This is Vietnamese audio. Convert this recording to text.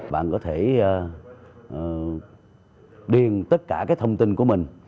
bạn có thể điền tất cả cái thông tin của mình